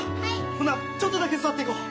ほなちょっとだけ座っていこう。